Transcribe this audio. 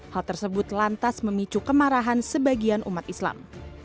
hal tersebut lantas memicu kemarahan sebagian umat islam